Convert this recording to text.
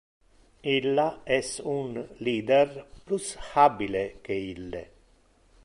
Illa es un leader plus habile que ille.